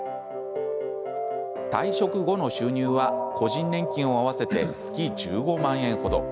退職後の収入は個人年金を合わせて月１５万円程。